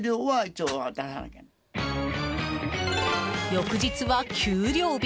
翌日は給料日。